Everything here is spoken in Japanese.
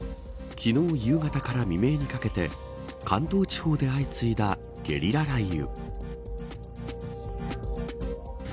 昨日、夕方から未明にかけて関東地方で相次いだゲリラ雷雨。